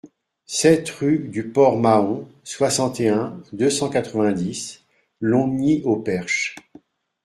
sept rue du Port Mahon, soixante et un, deux cent quatre-vingt-dix, Longny-au-Perche